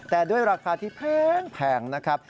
แต่ด้วยราคาที่แพงนะครับ